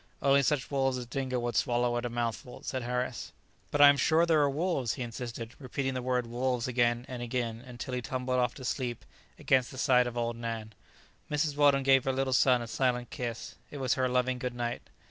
"Only such wolves as Dingo would swallow at a mouthful," said Harris. "But I am sure there are wolves," he insisted, repeating the word "wolves" again and again, until he tumbled off to sleep against the side of old Nan. Mrs. Weldon gave her little son a silent kiss; it was her loving "good night."